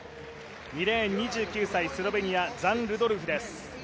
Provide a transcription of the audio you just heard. ２レーン、２９歳スロベニアザン・ルドルフです。